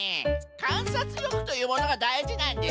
かんさつりょくというものがだいじなんですよ。